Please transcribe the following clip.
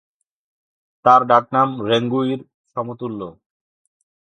তার ডাকনাম "রেঙ্গুইর সমতুল্য"।